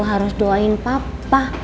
harus doain papa